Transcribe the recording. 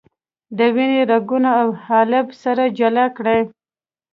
د وینې رګونه او حالب سره جلا کړئ.